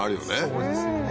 そうですよね